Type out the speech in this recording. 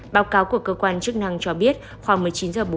báo cáo của cơ quan chức năng cho biết khoảng một mươi chín h bốn mươi